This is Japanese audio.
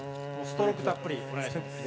ストロークたっぷりお願いします。